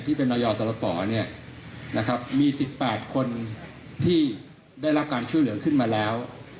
เป็นรายสรป๋อเนี่ยนะครับมี๑๘คนที่ได้รับการช่วยเหลือขึ้นมาแล้ว